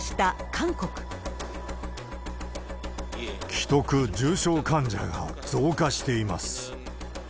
危篤、重症患者が増加しています。